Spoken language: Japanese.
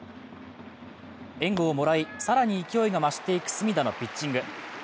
援護をもらい、さらに勢いが増していく隅田のピッチング。